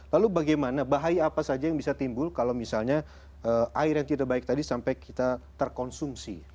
lalu bagaimana bahaya apa saja yang bisa timbul kalau misalnya air yang tidak baik tadi sampai kita terkonsumsi